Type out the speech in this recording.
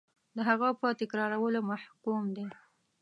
د هغه په تکرارولو محکوم دی.